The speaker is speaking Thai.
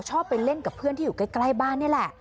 ไปเล่นกับเพื่อนที่อยู่ใกล้บ้านนี่แหละ